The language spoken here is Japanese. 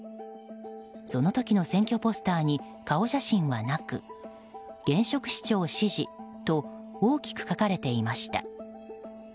その時の選挙ポスターに顔写真はなく「現職市長支持」と大きく書かれていました。